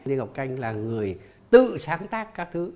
lê ngọc canh là người tự sáng tác các thứ